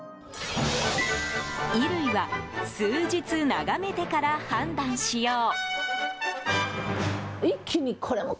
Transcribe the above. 衣類は数日眺めてから判断しよう。